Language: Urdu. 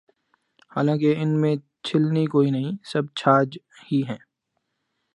حالانکہ ان میں چھلنی کوئی نہیں، سب چھاج ہی ہیں۔